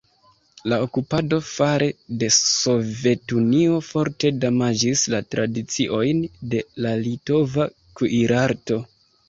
La okupado fare de Sovetunio forte damaĝis la tradiciojn de la litova kuirarto.